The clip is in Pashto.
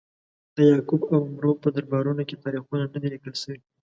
د یعقوب او عمرو په دربارونو کې تاریخونه نه دي لیکل شوي.